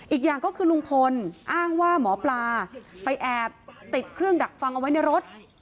อีกอย่างก็คือลุงพลอ้างว่าหมอปลาไปแอบติดเครื่องดักฟังเอาไว้ในรถ